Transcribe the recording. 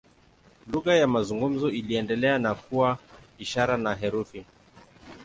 Lugha ya mazungumzo iliendelea na kuwa ishara na herufi.